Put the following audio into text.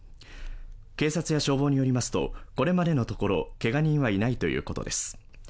警察や消防によりますと、これまでのところけが人はいないということです。